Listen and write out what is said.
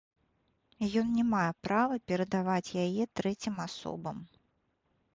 Ён не мае права перадаваць яе трэцім асобам.